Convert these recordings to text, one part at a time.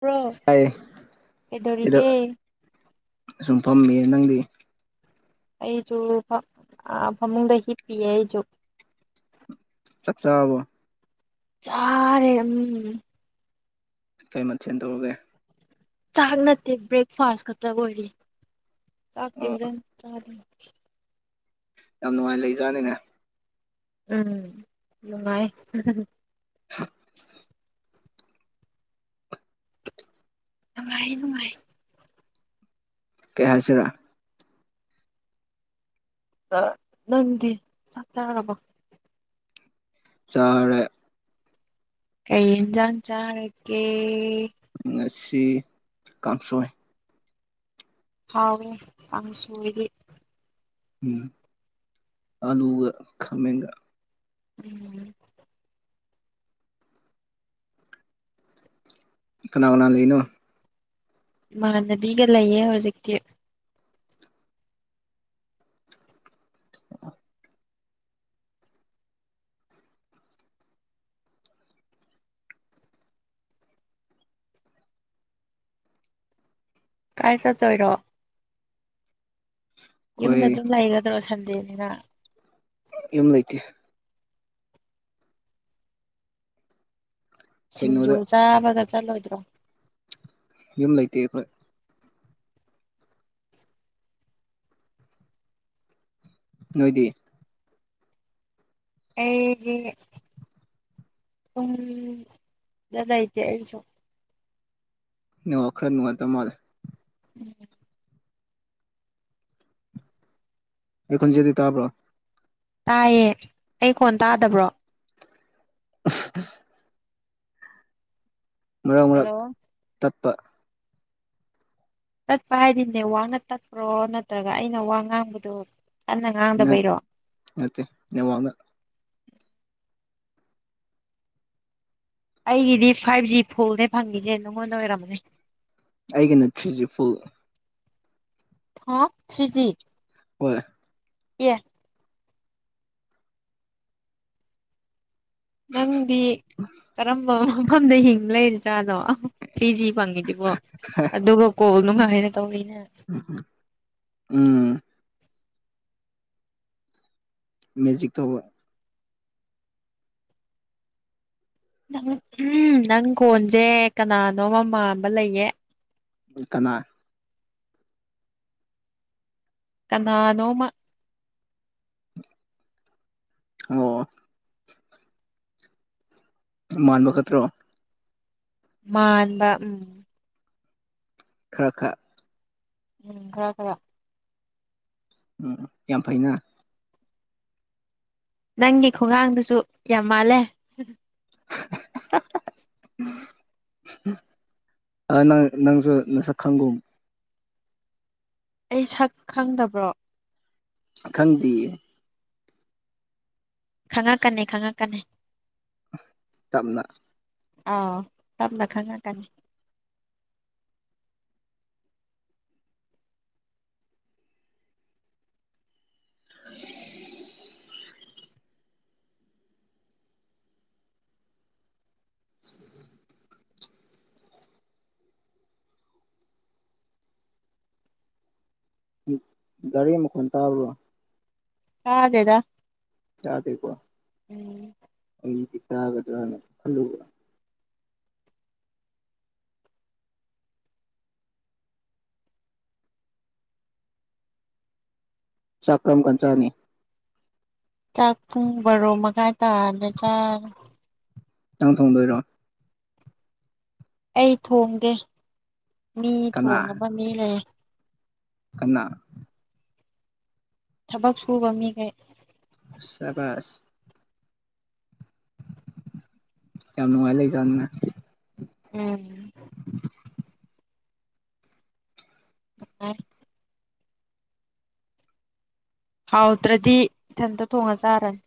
bro ꯇꯥꯏꯌꯦ ꯑꯩꯗꯣ ꯀꯩꯗꯧꯔꯤꯒꯦ ꯁꯨꯝ ꯐꯝꯃꯤꯃꯦ ꯅꯪꯗꯤ ꯑꯩꯁꯨ ꯐꯥ ꯐꯃꯨꯡꯗ ꯍꯤꯞꯄꯤꯌꯦ ꯑꯩꯁꯨ ꯆꯥꯛꯆꯥꯕꯣ ꯆꯔꯦ ꯎꯝ ꯀꯩ ꯃꯊꯦꯜ ꯇꯧꯔꯒꯦ ꯆꯥꯛ ꯅꯠꯇꯦ ꯕ꯭ꯔꯦꯛꯐꯥꯁ ꯈꯛꯇ ꯑꯣꯏꯔꯤ ꯆꯥꯛꯇꯤ ꯑꯣ ꯍꯔꯦꯟ ꯆꯅꯤ [inaudible] ꯌꯥꯝ ꯅꯨꯡꯉꯥꯏ ꯂꯩ ꯖꯥꯅꯤꯅꯦ ꯎꯝ ꯅꯨꯡꯉꯥꯏ ꯅꯨꯡꯉꯥꯏ ꯅꯨꯡꯉꯥꯏ ꯀꯩ ꯍꯥꯏꯁꯤꯔ ꯅꯪꯗꯤ ꯆꯥꯛ ꯆꯥꯔꯕꯣ ꯆꯥꯔꯦ ꯀꯩ ꯏꯟꯖꯥꯡ ꯆꯔꯥ ꯒꯦ ꯉꯁꯤ ꯀꯥꯡꯁꯣꯏ ꯍꯥꯎꯋꯦ ꯀꯥꯡꯁꯣꯏꯗꯤ ꯎꯝ ꯑꯂꯨꯒ ꯈꯥꯃꯦꯟꯒ ꯎꯝ ꯀꯅꯥ ꯀꯅꯥ ꯂꯩꯅꯣ ꯏꯃꯥꯟꯅꯕꯤꯒ ꯂꯩꯌꯦ ꯍꯧꯖꯤꯛꯇꯤ ꯀꯥꯏ ꯆꯠꯇꯣꯏꯔꯣ ꯌꯨꯝꯗ ꯑꯩꯈꯣꯏ ꯑꯗꯨꯝ ꯂꯩꯔꯗ꯭ꯔꯣ ꯁꯟꯗꯦꯅꯤꯅ ꯌꯨꯝ ꯂꯩꯇꯦ ꯁꯤꯡꯖꯨ ꯀꯩꯅꯣꯗ ꯆꯥꯕꯒ ꯆꯠꯂꯣꯏꯗ꯭ꯔꯣ ꯌꯨꯝ ꯂꯩꯇꯦ ꯑꯩꯈꯣꯏ ꯅꯣꯏꯗꯤ ꯑꯩꯒꯤ ꯌꯨꯝ ꯗꯥ ꯂꯩꯇꯦ ꯑꯩꯁꯨ ꯅꯦꯠꯋꯥꯛ ꯈꯔ ꯅꯨꯡꯉꯥꯏꯇꯕ ꯃꯥꯂꯦ ꯎꯝ ꯑꯩ ꯈꯣꯟꯖꯦꯜꯗꯤ ꯇꯥꯕ꯭ꯔꯣ ꯇꯥꯏꯌꯦ ꯑꯩ ꯈꯣꯟ ꯇꯥꯗꯕ꯭ꯔꯣ [unintelligible] ꯃꯔꯛ ꯃꯔꯛ ꯍꯜꯂꯣ ꯇꯠꯄ ꯇꯠꯄ ꯍꯥꯏꯗꯤ ꯅꯦꯠꯋꯥꯛꯅ ꯇꯠꯄ꯭ꯔꯣ ꯅꯠꯇ꯭ꯔꯒ ꯑꯩꯅ ꯋꯥ ꯉꯥꯡꯕꯗꯣ ꯀꯟꯅ ꯉꯥꯡꯗꯕꯩꯔꯣ ꯅꯠꯇꯦ ꯅꯦꯠꯋꯥꯛꯅ ꯑꯩꯒꯤꯗꯤ ꯐꯥꯏꯚ ꯖꯤ ꯐꯨꯜꯅꯦ ꯐꯪꯉꯤꯁꯦ ꯅꯉꯣꯟꯗ ꯑꯣꯏꯔꯝꯃꯅꯤ ꯑꯩꯒꯤꯅ ꯊ꯭ꯔꯤ ꯖꯤ ꯐꯨꯜ ꯍꯥ ꯊ꯭ꯔꯤ ꯖꯤ ꯍꯣꯏ ꯑꯦ ꯅꯪꯗꯤ ꯀꯔꯝꯕ ꯃꯐꯝꯗ ꯍꯤꯡ ꯂꯩꯔꯤꯖꯥꯠꯅꯣ ꯑꯍ ꯊ꯭ꯔꯤ ꯖꯤ ꯐꯪꯉꯤꯁꯤꯕꯣ ꯑꯗꯨꯒ ꯀꯣꯜ ꯅꯨꯡꯉꯥꯏꯅ ꯇꯧꯔꯤꯅꯦ [inaudible] ꯎꯝ ꯃꯦꯖꯤꯛ ꯇꯧꯕ ꯎꯝꯍꯨꯝ ꯅꯪ ꯀꯣꯟꯖꯦ ꯀꯅꯥꯅꯣꯝꯃ ꯃꯥꯟꯕ ꯂꯩꯌꯦ ꯀꯅꯥ ꯀꯅꯥꯅꯣꯝꯃ ꯑꯣ ꯃꯥꯟꯕ ꯈꯛꯇ꯭ꯔꯣ ꯃꯥꯟꯕ ꯎꯝ ꯈꯔ ꯈꯔ ꯎꯝ ꯈꯔ ꯈꯔ ꯎꯝ ꯎ ꯌꯥꯝ ꯐꯩꯅ ꯅꯪꯒꯤ ꯈꯨꯉꯥꯡꯗꯨꯁꯨ ꯌꯥꯝ ꯃꯥꯜꯂꯦ ꯑꯥ ꯅꯪ ꯅꯪꯁꯨ ꯅꯁꯛ ꯈꯪꯒꯨꯝ ꯑꯩ ꯁꯛ ꯈꯪꯗꯕ꯭ꯔꯣ ꯈꯪꯗꯤꯌꯦ ꯈꯪꯉꯛꯀꯅꯤ ꯈꯪꯉꯛꯀꯅꯤ ꯇꯞꯅ ꯑꯥ ꯇꯞꯅ ꯈꯪꯉꯛꯀꯅꯤ [unintelligible] ꯒꯥꯔꯤ ꯃꯈꯣꯟ ꯇꯥꯕ꯭ꯔꯣ ꯇꯥꯗꯦꯗ ꯇꯥꯗꯦꯀꯣ ꯑꯩꯗꯤ ꯇꯥꯒꯗ꯭ꯔꯥꯅ ꯈꯜꯂꯨꯕ ꯆꯥꯛ ꯀꯔꯝꯀꯥꯟ ꯆꯥꯅꯤ ꯆꯥꯛ ꯄꯨꯡ ꯕꯔꯣ ꯃꯈꯥꯏ ꯇꯥꯔꯗꯤ ꯆꯥꯔꯅꯤ ꯅꯪ ꯊꯣꯡꯗꯣꯏꯔꯣ ꯑꯩ ꯊꯣꯡꯗꯦ ꯃꯤ ꯀꯅꯥ ꯊꯣꯡꯅꯕ ꯃꯤ ꯂꯩꯌꯦ ꯀꯅꯥ ꯊꯕꯛ ꯁꯨꯕ ꯃꯤꯈꯩ ꯁꯕꯥꯁ ꯌꯥꯝ ꯅꯨꯡꯉꯥꯏ ꯂꯩꯖꯥꯠꯅꯤꯅ ꯎꯝ ꯅꯨꯡꯉꯥꯏ ꯍꯥꯎꯇ꯭ꯔꯗꯤ ꯏꯊꯟꯇ ꯊꯣꯡꯉ ꯆꯥꯔꯅꯤ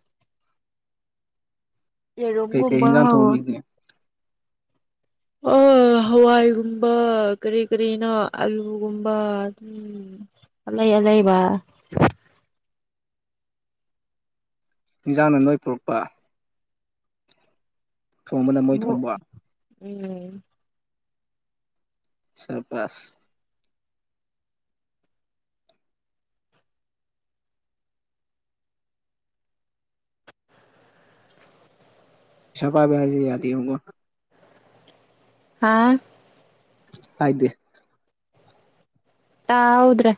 ꯀꯩ ꯀꯩ ꯌꯦꯔꯨꯝꯒꯨꯝꯕ ꯍꯤꯟꯖꯥꯡ ꯊꯣꯡꯕꯤꯒꯦ ꯑꯣ ꯍꯋꯥꯏꯒꯨꯝꯕ ꯀꯔꯤ ꯀꯔꯤꯅꯣ ꯑꯂꯨꯒꯨꯝꯕ ꯑꯗꯨꯝ ꯑꯂꯩ ꯑ ꯂꯩꯕ ꯏꯟꯁꯥꯡꯅ ꯅꯣꯏ ꯄꯨꯔꯛꯄ ꯊꯣꯡꯕꯅ ꯃꯣꯏ ꯊꯣꯡꯕ ꯎꯝ ꯁꯕꯥꯁ ꯄꯩꯁꯥ ꯄꯥꯏꯕ ꯍꯥꯏꯖꯤ ꯌꯥꯗꯦ ꯉꯣ ꯍꯥ ꯍꯥꯏꯗꯦ ꯇꯍꯧꯗ꯭ꯔꯦ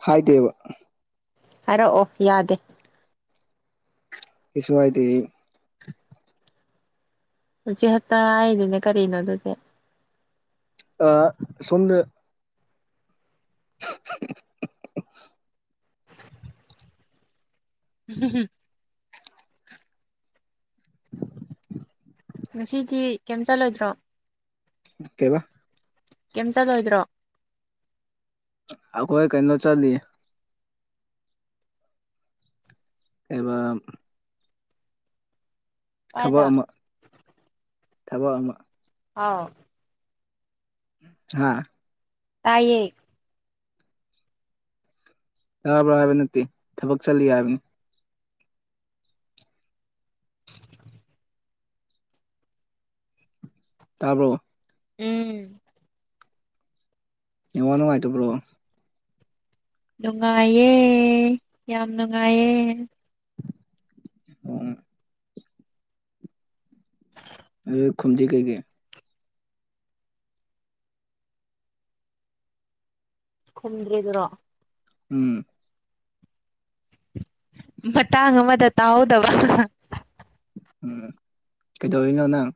ꯍꯥꯏꯗꯦꯕ ꯍꯥꯏꯔꯛꯑꯣ ꯌꯥꯗꯦ ꯀꯩꯁꯨꯍꯥꯏꯗꯦ ꯑꯩ ꯍꯧꯖꯤꯛꯇ ꯍꯥꯏꯗꯨꯅ ꯀꯔꯤꯅꯣ ꯑꯗꯨꯗꯤ ꯑꯥ ꯁꯣꯝꯗ ꯍꯨꯝ ꯍꯨꯝ ꯉꯁꯤꯗꯤ ꯀꯩꯝ ꯆꯠꯂꯣꯏꯗ꯭ꯔꯣ ꯀꯩꯕ ꯀꯩꯝ ꯆꯠꯂꯣꯏꯗ꯭ꯔꯣ ꯑꯩꯈꯣꯏ ꯀꯩꯅꯣ ꯆꯠꯂꯤꯌꯦ ꯀꯩꯕ ꯊꯥꯕꯛ ꯀꯥꯏꯗ ꯑꯃ ꯊꯥꯕꯛ ꯑꯃ ꯍꯥꯎ ꯍꯥꯥ ꯇꯥꯏꯌꯦ ꯇꯥꯕ꯭ꯔꯥ ꯍꯥꯏꯕ ꯅꯠꯇꯦ ꯊꯕꯛ ꯆꯠꯂꯤ ꯍꯥꯏꯕꯅꯤ ꯇꯥꯕ꯭ꯔꯣ ꯎꯝ ꯅꯦꯠ ꯋꯥꯛ ꯅꯨꯡꯉꯥꯏꯇꯕ꯭ꯔꯣ ꯅꯨꯡꯉꯥꯏꯌꯦ ꯌꯥꯝ ꯅꯨꯡꯉꯥꯏꯌꯦ ꯑꯣꯑꯣ ꯑꯗꯨꯒ ꯈꯨꯝꯗꯤ ꯀꯩꯒꯤ ꯈꯨꯝꯗ꯭ꯔꯤꯗꯨꯔꯣ ꯎꯝ ꯃꯇꯥꯡ ꯑꯃꯗ ꯇꯥꯍꯧꯗꯕ ꯎꯝ ꯀꯩꯗꯧꯔꯤꯅꯣ ꯅꯪ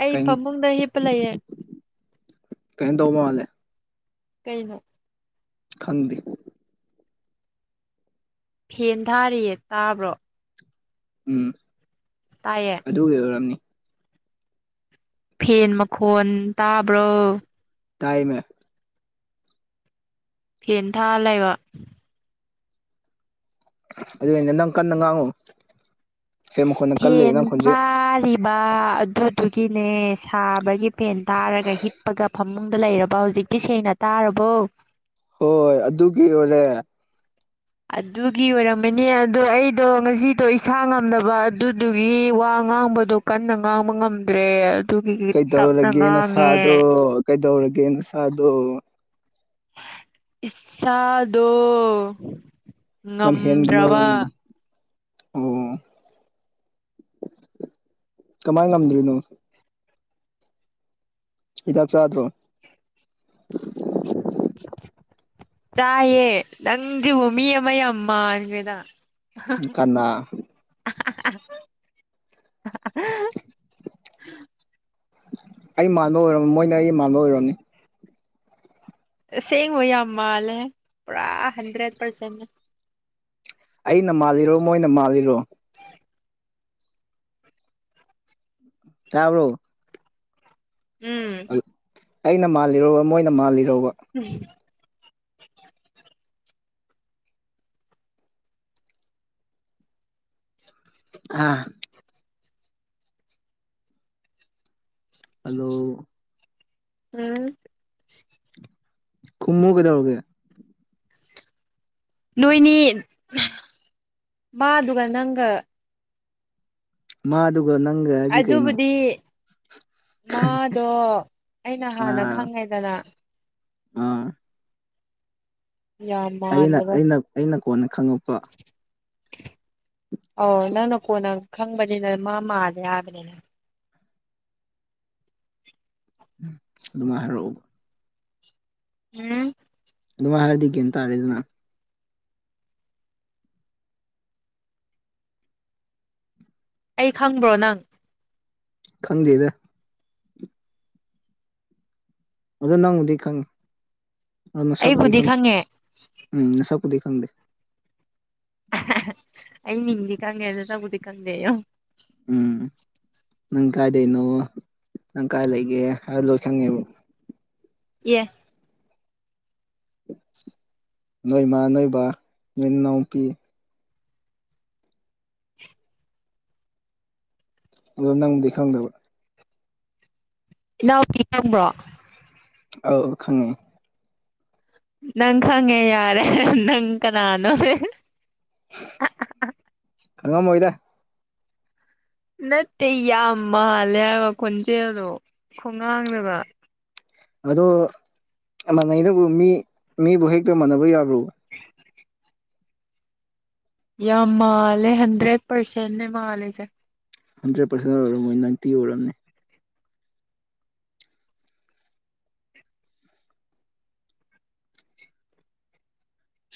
ꯑꯩ ꯀꯩꯝ ꯐꯃꯨꯡꯗ ꯍꯤꯞꯄ ꯂꯩꯌꯦ ꯗꯧꯃꯥꯂꯦ ꯀꯩꯅꯣ ꯈꯪꯗꯦ ꯐꯦꯟ ꯊꯥꯔꯤꯌꯦ ꯇꯥꯕ꯭ꯔꯣ ꯎꯝ ꯇꯥꯏꯌꯦ ꯑꯗꯨꯒꯤ ꯑꯣꯏꯔꯝꯅꯤ ꯐꯦꯟ ꯃꯈꯣꯟ ꯇꯥꯕ꯭ꯔꯣ ꯇꯥꯢꯃꯤ ꯐꯦꯟ ꯊꯥ ꯂꯩꯕ ꯑꯗꯨ ꯅꯪ ꯀꯟꯅ ꯉꯥꯡꯉꯣ ꯐꯦꯟ ꯊꯥꯔꯤꯕ ꯑꯗꯨ ꯑꯗꯨꯒꯤꯅꯦ ꯁꯥꯕꯒꯤ ꯐꯦꯟ ꯇꯥꯔꯒ ꯍꯤꯞꯄꯒ ꯐꯃꯨꯡꯗ ꯂꯩꯔꯕ ꯍꯧꯖꯤꯛꯇꯤ ꯁꯦꯡꯅ ꯇꯥꯨꯔꯕ [unintelligible] ꯍꯣꯏ ꯑꯗꯨꯒꯤ ꯑꯣꯏꯔꯦ ꯑꯗꯨꯒꯤ ꯑꯣꯏꯔꯝꯃꯅꯤ ꯑꯗꯣ ꯑꯩꯗꯣ ꯉꯁꯤꯗꯣ ꯏꯁꯥ ꯉꯝꯗꯕ ꯑꯗꯨꯗꯨꯒꯤ ꯋꯥ ꯉꯥꯡꯕꯗꯣ ꯀꯟꯅ ꯉꯥꯡꯕ ꯉꯝꯗ꯭ꯔꯦ ꯑꯗꯨꯒꯤ ꯇꯞꯅ ꯀꯩꯗꯧꯔꯒꯦ ꯉꯥꯡꯉꯦ ꯅꯁꯥꯗꯣ ꯀꯩꯗꯧꯔꯒꯦ ꯅꯁꯥꯗꯣ ꯏꯁꯥꯗꯣ ꯂꯝ ꯍꯦꯟꯒꯅꯣ ꯉꯝꯗ꯭ꯔꯕ ꯑꯣ ꯀꯃꯥꯏ ꯉꯝꯗ꯭ꯔꯤꯅꯣ ꯍꯤꯗꯥꯛ ꯆꯥꯗ꯭ꯔꯣ ꯆꯥꯏꯌꯦ ꯅꯪꯖꯤꯕꯨ ꯃꯤ ꯑꯃ ꯌꯥꯝ ꯃꯥꯟꯒ꯭ꯔꯦꯗ ꯀꯅꯥ [unintelligible] ꯑꯩ ꯃꯥꯟꯕ ꯑꯣꯏꯔꯝ ꯃꯣꯏꯅ ꯑꯩ ꯃꯥꯟꯕ ꯑꯣꯏꯔꯝꯅꯤ ꯑꯁꯦꯡꯕ ꯌꯥꯝ ꯃꯥꯜꯂꯦ ꯄꯨꯔꯥ ꯍꯟꯗ꯭ꯔꯦꯠ ꯄꯥꯔꯁꯦꯟ ꯑꯩꯅ ꯃꯥꯜꯂꯤꯔꯣ ꯃꯣꯏꯅ ꯃꯥꯜꯂꯤꯔꯣ ꯇꯥꯕ꯭ꯔꯣ ꯎꯝ ꯑꯩꯅ ꯃꯥꯜꯂꯤꯔꯣ ꯃꯣꯏꯅ ꯃꯥꯜꯂꯤꯔꯣ ꯎꯝ ꯍꯨ [unintelligible] ꯑꯥ ꯍꯜꯂꯣ ꯎꯝ ꯈꯨꯝꯃꯨ ꯀꯩꯗꯧꯔꯒꯦ ꯅꯣꯏꯅꯤ ꯃꯥꯗꯨꯒ ꯅꯪꯒ ꯃꯥꯗꯨꯒ ꯅꯪꯒ ꯍꯥꯏꯗꯤ ꯀꯩꯅꯣ ꯑꯗꯨꯕꯨꯗꯤ ꯃꯥꯗꯣ ꯑꯩꯅ ꯍꯥꯟꯅ ꯑꯥ ꯈꯪꯉꯦꯗꯅ ꯑꯥ ꯌꯥꯝ ꯑꯩꯅ ꯃꯥꯟꯕ꯭ꯔꯣ ꯑꯩꯅ ꯑꯩꯅ ꯀꯣꯟꯅ ꯈꯪꯉꯛꯄ ꯑꯣ ꯅꯪꯅ ꯀꯣꯟꯅ ꯈꯪꯕꯅꯤꯅ ꯃꯥ ꯃꯥꯂꯦ ꯍꯥꯏꯕꯅꯤꯅ ꯎꯝ ꯑꯗꯨꯃꯥꯏ ꯍꯥꯏꯔꯛꯎ ꯎꯝ ꯑꯗꯨꯝꯥꯏ ꯍꯥꯏꯔꯗꯤ ꯒ꯭ꯌꯥꯟ ꯇꯥꯔꯦꯗꯅ ꯑꯩ ꯈꯪꯕ꯭ꯔꯣ ꯅꯪ ꯈꯪꯗꯦꯗ ꯑꯗꯣ ꯅꯪꯕꯨꯗꯤ ꯈꯪꯉꯤ ꯅꯁꯛꯄꯨꯗꯤ ꯑꯩꯕꯨꯗꯤ ꯈꯪꯉꯤ ꯈꯪꯉꯦ ꯎꯝ ꯅꯁꯛꯄꯨꯗꯤ ꯈꯪꯗꯦ ꯑꯍꯥꯍꯥ ꯑꯩ ꯃꯤꯡꯗꯤ ꯈꯪꯉꯦ ꯅꯁꯛꯄꯨꯗꯤ ꯈꯪꯗꯦꯌꯣ ꯎꯝ ꯅꯪ ꯀꯥꯏꯗꯩꯅꯣ ꯅꯪ ꯀꯥꯏ ꯂꯩꯒꯦ ꯍꯥꯏꯕ ꯂꯣꯏ ꯈꯪꯉꯦꯕ ꯑꯦ ꯅꯣꯏ ꯃꯥ ꯅꯣꯏ ꯕꯥ ꯅꯣꯏ ꯅꯅꯥꯎꯄꯤ ꯑꯗꯣ ꯅꯪꯗꯤ ꯈꯪꯗꯕ ꯏꯅꯥꯎꯄꯤ ꯈꯪꯕ꯭ꯔꯣ ꯑꯧ ꯈꯪꯉꯦ ꯅꯪ ꯈꯪꯉꯦ ꯌꯥꯔꯦ ꯅꯪ ꯀꯅꯥꯅꯣ ꯑꯥ ꯑꯥ ꯍꯥ ꯈꯪꯉꯝꯃꯣꯏꯗ ꯅꯠꯇꯦ ꯌꯥꯝ ꯃꯥꯜꯂꯦ ꯍꯥꯏꯕ ꯈꯣꯟꯖꯦꯜꯗꯣ ꯈꯨꯉꯥꯡꯗꯨꯒ ꯑꯗꯣ ꯃꯥꯟꯅꯩꯅꯕꯨ ꯃꯤ ꯃꯤꯕꯨ ꯍꯦꯛꯇ ꯃꯥꯟꯅꯕ ꯌꯥꯕ꯭ꯔꯣ [inaudible] ꯌꯥꯝ ꯃꯥꯜꯂꯦ ꯍꯟꯗ꯭ꯔꯦꯠ ꯄꯥꯔꯁꯦꯟ ꯅꯦ ꯃꯥꯜꯂꯤꯁꯦ ꯍꯟꯗ꯭ꯔꯦꯠ ꯄꯥꯔꯁꯦꯟ ꯑꯣꯏꯔꯝꯃꯣꯏ ꯅꯥꯏꯟꯇꯤ ꯑꯣꯏꯔꯝꯅꯤ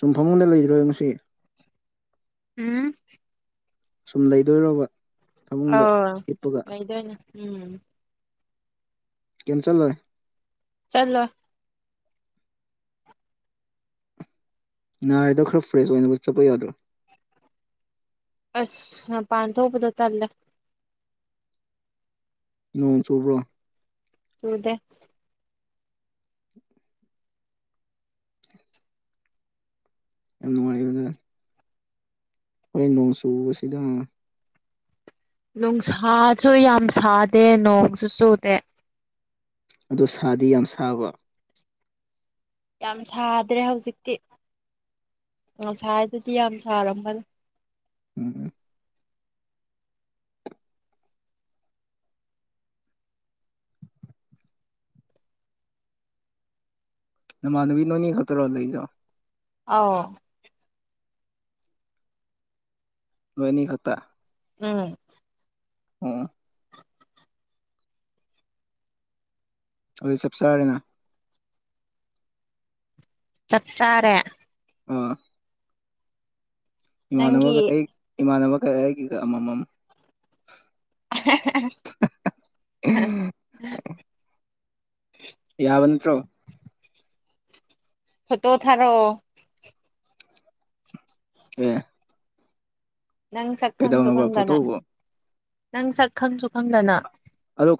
ꯁꯨꯝ ꯐꯃꯨꯡꯗ ꯂꯩꯔꯤꯔꯣꯉꯁꯤ ꯎꯝ ꯁꯨꯝ ꯂꯩꯗꯣꯏꯔꯣꯕ ꯐꯃꯨꯡꯗ ꯑꯥ ꯍꯤꯞꯄꯒ ꯂꯩꯗꯣꯏꯅꯦ ꯎꯝ ꯀꯩꯝ ꯆꯠꯂꯣꯏ ꯆꯠꯂꯣꯏ ꯅꯥꯔꯤꯗꯣ ꯈꯔ ꯐ꯭ꯔꯦꯁ ꯑꯣꯏꯅꯕ ꯆꯠꯂꯨ ꯌꯥꯗ꯭ꯔꯣ ꯑꯁ ꯃꯄꯥꯟ ꯊꯣꯛꯄꯗꯣ ꯇꯜꯂꯦ ꯅꯣꯡ ꯆꯨꯕ꯭ꯔꯣ ꯆꯨꯗꯦ [inaudible] ꯌꯥꯝ ꯅꯨꯡꯉꯥꯏꯔꯦꯗ ꯍꯣꯏ ꯅꯣꯡꯆꯨꯕꯁꯤꯗ ꯅꯨꯡꯁꯥꯁꯨ ꯌꯥꯝ ꯁꯥꯗꯦ ꯅꯣꯡꯁꯨ ꯆꯨꯗꯦ ꯑꯗꯣ ꯁꯥꯗꯤ ꯌꯥꯝ ꯁꯥꯕ ꯌꯥꯝ ꯁꯥꯗ꯭ꯔꯦ ꯍꯧꯖꯤꯛꯇꯤ ꯉꯁꯥꯏꯗꯗꯤ ꯌꯥꯝ ꯁꯥꯔꯝꯕꯅꯦ ꯎꯝ ꯎꯝ ꯅꯃꯥꯟꯅꯕꯤ ꯅꯣꯏꯅꯤ ꯈꯛꯇꯔꯣ ꯂꯩꯗꯣ ꯑꯥꯎ ꯅꯣꯏꯑꯅꯤ ꯈꯛꯇ ꯎꯝ ꯑꯣ ꯑꯗꯨ ꯆꯞꯆꯥꯔꯦꯅ ꯆꯞ ꯆꯥꯔꯦ ꯑꯥ ꯅꯪꯒꯤ ꯏꯃꯥꯟꯅꯕꯒ ꯑꯩ ꯏꯃꯥꯟꯅꯕꯒ ꯑꯩꯒꯤꯒ ꯑꯃꯃꯝ [unintelligible] ꯌꯥꯕ ꯅꯠꯇ꯭ꯔꯣ ꯐꯣꯇꯣ ꯊꯥꯔꯛꯑꯣ ꯑꯦ ꯅꯪ ꯁꯛ ꯈꯪꯁꯨ ꯀꯩꯗꯧꯅꯕ ꯈꯪꯗꯅ ꯐꯣꯇꯣꯕꯨ ꯅꯪ ꯁꯛ ꯈꯪꯁꯨ ꯈꯪꯗꯅ ꯑꯗꯣ